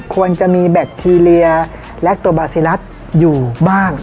ควรจะมีแบคทีเรียและตัวบาซิรัสอยู่บ้าง